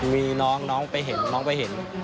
มีน้องน้องไปเห็นน้องไปเห็น